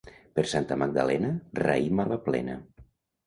Per Santa Magdalena, raïm a la plena.